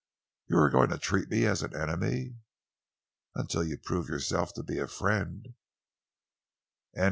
'" "You are going to treat me as an enemy?" "Until you prove yourself to be a friend."